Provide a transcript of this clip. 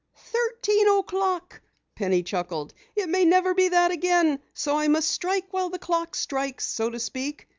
"Thirteen o'clock!" Penny chuckled. "It may never be that again, so I must strike while the clock strikes, so to speak.